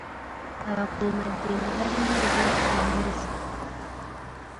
Abakuumaddembe balina eby'okulwanisa.